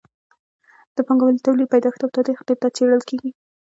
د پانګوالي تولید پیدایښت او تاریخ دلته څیړل کیږي.